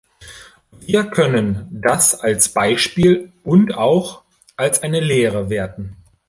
Wir können das als Beispiel und auch als eine Lehre werten.